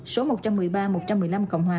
số một trăm một mươi ba một trăm một mươi năm cộng hòa